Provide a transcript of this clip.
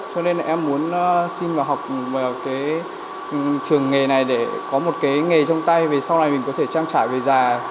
cho nên là em muốn xin vào học cái trường nghề này để có một cái nghề trong tay về sau này mình có thể trang trải về già